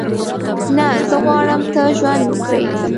نه، زه غواړم ته ژوند وکړې.